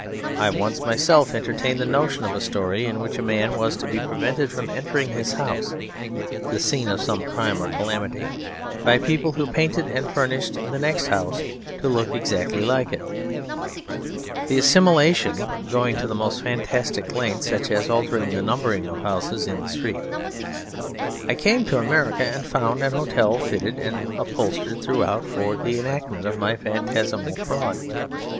I once myself entertained the notion of a story, in which a man was to be prevented from entering his house (the scene of some crime or calamity) by people who painted and furnished the next house to look exactly like it; the assimilation going to the most fantastic lengths, such as altering the numbering of houses in the street. I came to America and found an hotel fitted and upholstered throughout for the enactment of my phantasmal fraud.